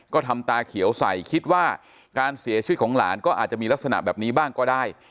ก็ทำตาเขียวใส่คิดว่าการเสียชีวิตของหลานก็อาจจะมีลักษณะแบบนี้บ้างก็ได้